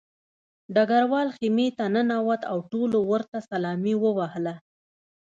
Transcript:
ډګروال خیمې ته ننوت او ټولو ورته سلامي ووهله